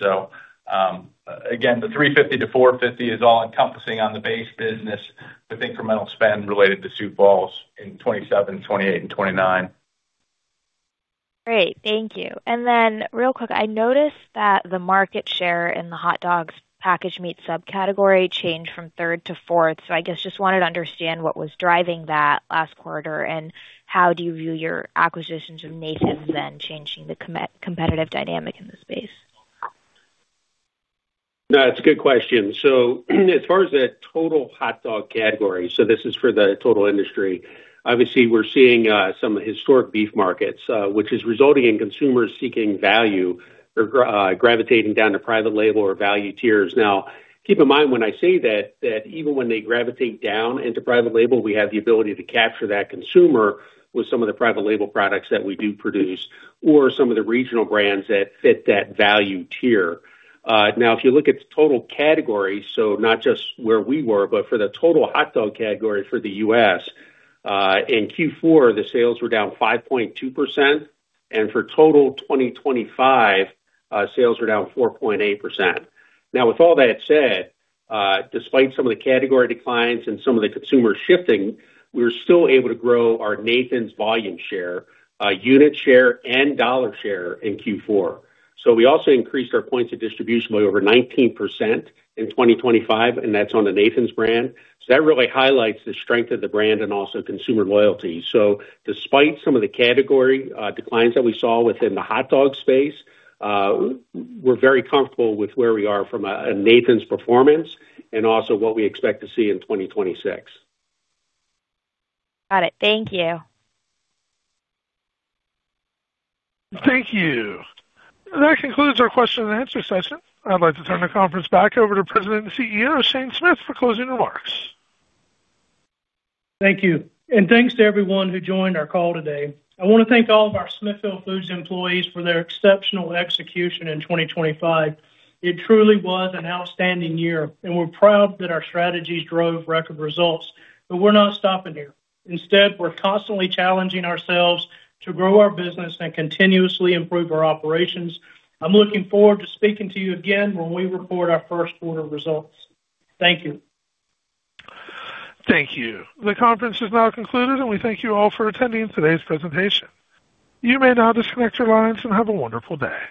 Speaker 4: Again, the $350 million-$450 million is all-encompassing on the base business with incremental spend related to Sioux Falls in 2027, 2028, and 2029.
Speaker 13: Great. Thank you. Then real quick, I noticed that the market share in the hot dogs packaged meats subcategory changed from third to fourth. I guess just wanted to understand what was driving that last quarter and how do you view your acquisitions of Nathan's then changing the competitive dynamic in the space?
Speaker 6: No, it's a good question. As far as the total hot dog category, this is for the total industry. Obviously we're seeing some historic beef markets, which is resulting in consumers seeking value or gravitating down to private label or value tiers. Now keep in mind when I say that even when they gravitate down into private label, we have the ability to capture that consumer with some of the private label products that we do produce or some of the regional brands that fit that value tier. Now if you look at the total category, so not just where we were, but for the total hot dog category for the U.S., in Q4, the sales were down 5.2%, and for total 2025, sales were down 4.8%. Now with all that said, despite some of the category declines and some of the consumer shifting, we're still able to grow our Nathan's volume share, unit share and dollar share in Q4. We also increased our points of distribution by over 19% in 2025, and that's on the Nathan's brand. That really highlights the strength of the brand and also consumer loyalty. Despite some of the category declines that we saw within the hot dog space, we're very comfortable with where we are from a Nathan's performance and also what we expect to see in 2026.
Speaker 13: Got it. Thank you.
Speaker 1: Thank you. That concludes our question and answer session. I'd like to turn the conference back over to President and CEO Shane Smith for closing remarks.
Speaker 3: Thank you. Thanks to everyone who joined our call today. I wanna thank all of our Smithfield Foods employees for their exceptional execution in 2025. It truly was an outstanding year, and we're proud that our strategies drove record results. We're not stopping here. Instead, we're constantly challenging ourselves to grow our business and continuously improve our operations. I'm looking forward to speaking to you again when we report our first quarter results. Thank you.
Speaker 1: Thank you. The conference is now concluded, and we thank you all for attending today's presentation. You may now disconnect your lines and have a wonderful day.